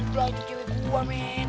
udah lah itu cewek gue men